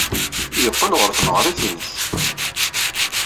Yeqqel ɣer tneɣrit-nnes.